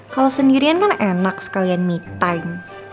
kalau sendirian kan enak sekalian me time